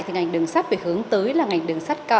thì ngành đường sắt phải hướng tới là ngành đường sắt cao